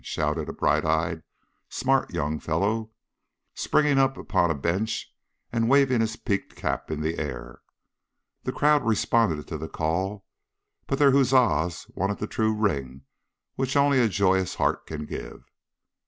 shouted a bright eyed, smart young fellow, springing up upon a bench and waving his peaked cap in the air. The crowd responded to the call, but their huzzas wanted the true ring which only a joyous heart can give.